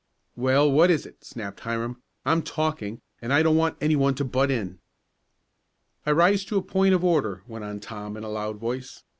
"Well, what is it?" snapped Hiram. "I'm talking, and I don't want anyone to butt in." "I rise to a point of order," went on Tom, in a loud voice.